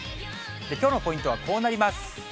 きょうのポイントはこうなります。